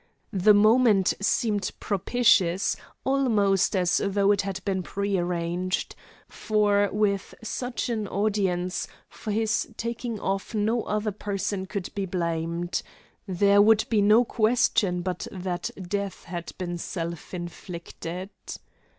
The moment seemed propitious, almost as though it had been prearranged. For with such an audience, for his taking off no other person could be blamed. There would be no question but that death had been self inflicted.